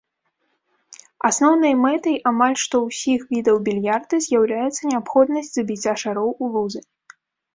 Асноўнай мэтай амаль што ўсіх відаў більярда з'яўляецца неабходнасць забіцця шароў у лузы.